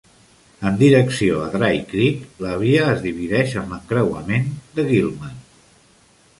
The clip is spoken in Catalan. En direcció a Dry Creek, la via es divideix en l'encreuament de Gillman.